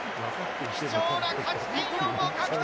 貴重な勝ち点４を獲得！